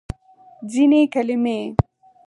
ځینې کلمې